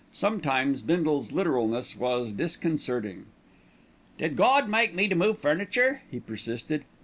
Sometimes Bindle's literalness was disconcerting. "Did Gawd make me to move furniture?" he persisted.